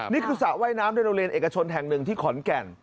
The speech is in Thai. สระว่ายน้ำในโรงเรียนเอกชนแห่งหนึ่งที่ขอนแก่น